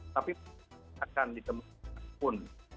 tapi akan ditemukan pun